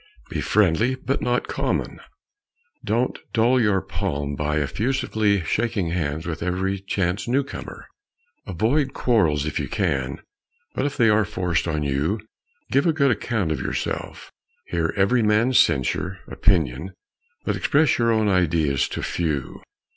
Be friendly, but not common; don't dull your palm by effusively shaking hands with every chance newcomer. Avoid quarrels if you can, but if they are forced on you, give a good account of yourself. Hear every man's censure (opinion), but express your own ideas to few.